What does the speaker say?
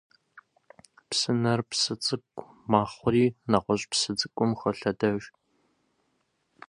Psıner psı ts'ık'u mexhuri neğueş' psı ts'ık'um xolhedejj.